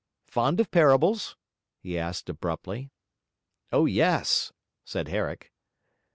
Fond of parables?' he asked abruptly. 'O yes!' said Herrick.